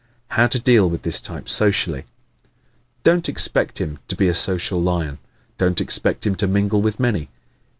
How to Deal with this Type Socially ¶ Don't expect him to be a social lion. Don't expect him to mingle with many.